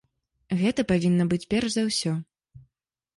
Гэта павінна быць перш за ўсё.